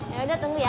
yaudah tunggu ya